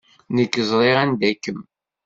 Nekk ẓriɣ anta kemm.